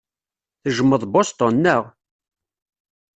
Tejjmeḍ Boston, naɣ?